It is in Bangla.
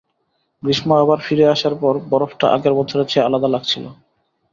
গ্রীষ্ম আবার ফিরে আসার পর, বরফটা আগের বছরের চেয়ে আলাদা লাগছিল।